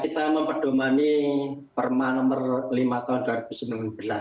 kita memperdomani perma nomor lima tahun dua ribu sembilan belas